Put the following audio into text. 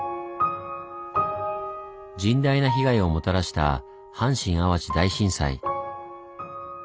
甚大な被害をもたらした阪神・淡路大震災。